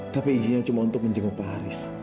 tapi izinnya cuma untuk menjenguk pak haris